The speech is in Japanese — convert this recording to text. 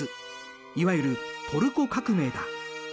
いわゆるトルコ革命だ。